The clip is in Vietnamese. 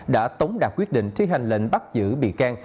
đã tống đạt quyết định thi hành lệnh bắt giữ bị can